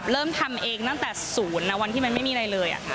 เริ่มทำเองตั้งแต่ศูนย์วันที่มันไม่มีอะไรเลย